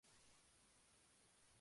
Se contenta con ser libre interiormente.